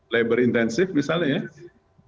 labor intensif misalnya ya